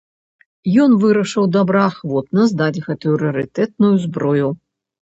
Ён вырашыў добраахвотна здаць гэтую рарытэтную зброю.